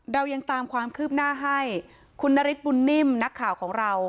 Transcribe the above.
เรายังตามความคืบหน้าให้คุณนฤทธบุญนิ่มนักข่าวของเรา